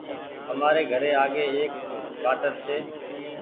همآري گھري آگي ايڪ واٽر ڇي